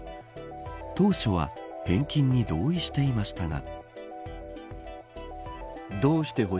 当初は返金に同意していましたが。